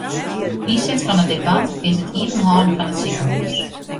Ynset fan it debat is it iepenhâlden fan it sikehûs.